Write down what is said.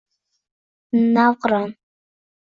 navqiron